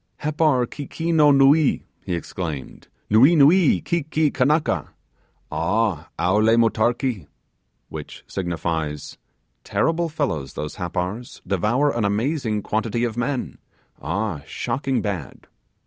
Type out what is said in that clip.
'Happar keekeeno nuee,' he exclaimed, 'nuee, nuee, ki ki kannaka! ah! owle motarkee!' which signifies, 'Terrible fellows those Happars! devour an amazing quantity of men! ah, shocking bad!